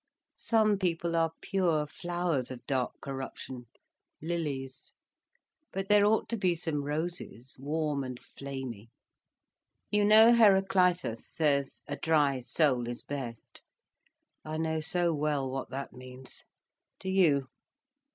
"Some people are pure flowers of dark corruption—lilies. But there ought to be some roses, warm and flamy. You know Herakleitos says 'a dry soul is best.' I know so well what that means. Do you?"